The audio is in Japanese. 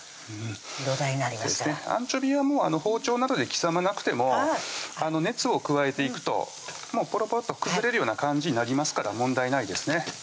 土台になりますからアンチョビーはもう包丁などで刻まなくても熱を加えていくとポロポロと崩れるような感じになりますから問題ないですね